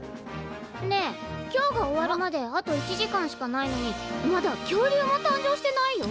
ねえ今日が終わるまであと１時間しかないのにまだ恐竜も誕生してないよ。